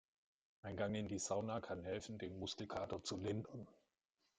Ein Gang in die Sauna kann helfen, den Muskelkater zu lindern.